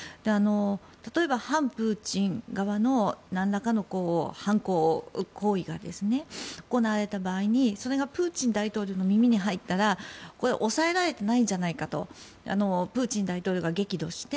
例えば反プーチン側のなんらかの犯罪行為が行われた場合に、それがプーチン大統領の耳に入ったら抑えられてないじゃないかとプーチン大統領が激怒して